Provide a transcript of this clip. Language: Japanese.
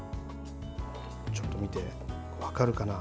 ちょっと見て、分かるかな？